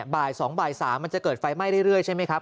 บ่าย๒บ่าย๓มันจะเกิดไฟไหม้เรื่อยใช่ไหมครับ